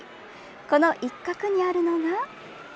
この一角にあるのが。